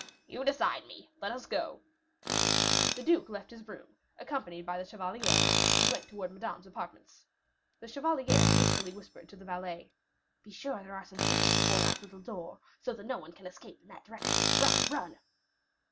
"You decide me; let us go." The duke left his room, accompanied by the chevalier and went towards Madame's apartments. The chevalier hastily whispered to the valet, "Be sure there are some people before that little door, so that no one can escape in that direction. Run, run!"